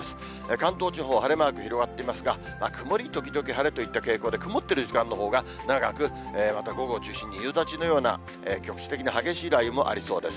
関東地方、晴れマーク広がっていますが、曇り時々晴れといった傾向で曇っている時間のほうが長く、また午後を中心に、夕立のような、局地的な激しい雷雨もありそうです。